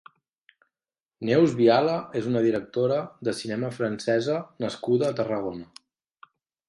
Neus Viala és una directora de cinema francesa nascuda a Tarragona.